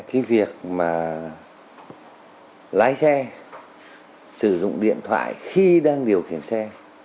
cái việc mà lái xe sử dụng điện thoại khi đang điều khiển xe